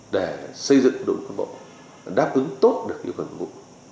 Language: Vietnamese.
để xây dựng đội ngũ cấp ủy đáp ứng tốt được ủy khóa mục vụ